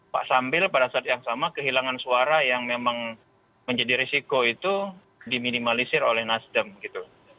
pak sambil pada saat yang sama kehilangan suara yang memang menjadi risiko itu diminimalisir oleh nasdem gitu